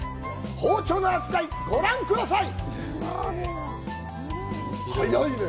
包丁の扱いご覧ください。